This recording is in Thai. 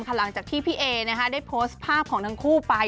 หลังจากที่พี่เอได้โพสต์ภาพของทั้งคู่ไป